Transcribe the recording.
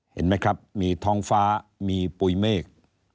เห็นไหมครับมีท้องฟ้ามีปุ๋ยเมฆ